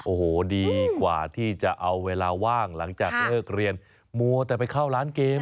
โอ้โหดีกว่าที่จะเอาเวลาว่างหลังจากเลิกเรียนมัวแต่ไปเข้าร้านเกม